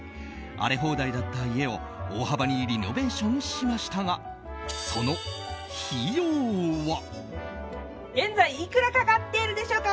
荒れ放題だった家を大幅にリノベーションしましたがその費用は。